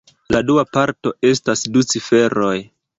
La dua parto estas du ciferoj.